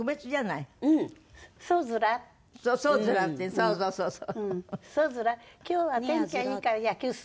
そうそうそうそう。